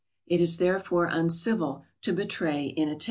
It is, therefore, uncivil to betray inattention.